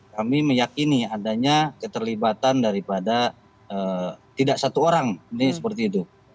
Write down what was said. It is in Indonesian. kami meyakini adanya keterlibatan daripada tidak satu orang ini seperti itu